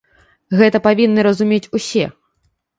Гэта павінны разумець усе.